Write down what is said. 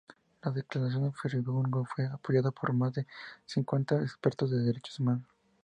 La Declaración de Friburgo fue apoyada por más de cincuenta expertos en derechos humanos.